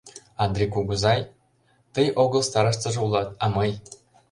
Андри кугызай, тый огыл старыстыжо улат, а мый!